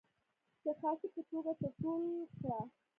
د خاصې په توګه در ټول کړه.